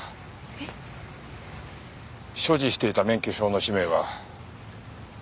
えっ？所持していた免許証の氏名は。